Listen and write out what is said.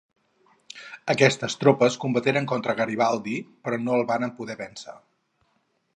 Aquestes tropes combateren contra Garibaldi, però no el varen poder vèncer.